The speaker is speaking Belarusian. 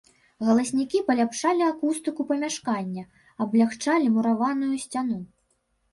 Галаснікі паляпшалі акустыку памяшкання, аблягчалі мураваную сцяну.